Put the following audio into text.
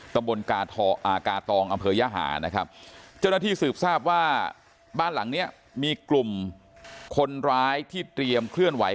ตำบลกาตองอำเภอยหานะครับเจ้าหน้าที่สืบทราบว่าบ้านหลังเนี้ยมีกลุ่มคนร้ายที่เตรียมเคลื่อนไหว